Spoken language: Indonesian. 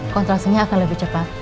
kontrasenya akan lebih cepat